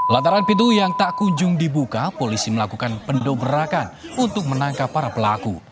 lantaran pintu yang tak kunjung dibuka polisi melakukan pendobrakan untuk menangkap para pelaku